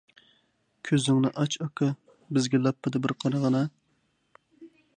كۆزۈڭنى ئاچ، ئاكا، بىزگە لاپپىدە بىر قارىغىنا!